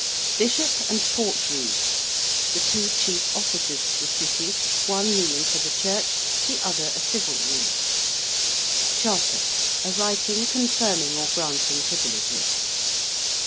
~Bishop and Portreeve~: the two chief officers of the City, one ruling for the Church, the other a civil ruler. ~charter~: a writing confirming or granting privileges.